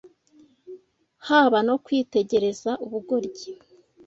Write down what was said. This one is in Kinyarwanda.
haba no kwitegereza ubugoryi